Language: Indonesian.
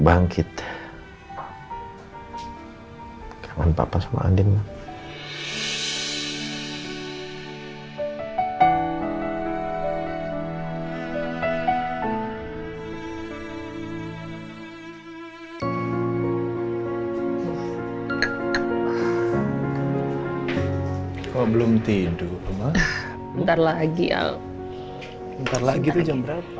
ya kita berteman baik aja